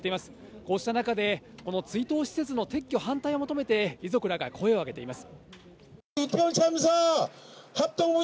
こうした中で、この追悼施設の撤去反対を求めて、遺族らが声を上げています。